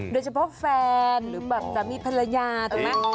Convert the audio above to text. โดยเฉพาะแฟนหรือแบบสามีภรรยาถูกไหม